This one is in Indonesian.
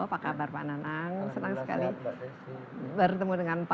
apa kabar pak nanang senang sekali bertemu dengan pak